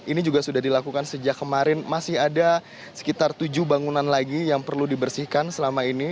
ini juga sudah dilakukan sejak kemarin masih ada sekitar tujuh bangunan lagi yang perlu dibersihkan selama ini